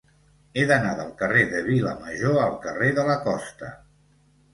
He d'anar del carrer de Vilamajor al carrer de la Costa.